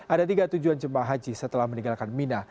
ada tiga tujuan jemaah haji setelah meninggalkan mina